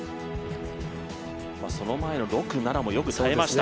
その前の６、７もよく耐えました。